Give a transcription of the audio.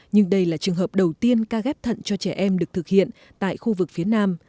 nhưng đây là trường hợp đầu tiên ca ghép thận cho trẻ em được thực hiện tại khu vực phía nam